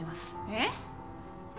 えっ？